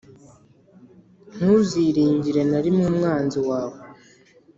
Ntuziringire na rimwe umwanzi wawe,